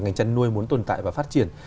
ngành chăn nuôi muốn tồn tại và phát triển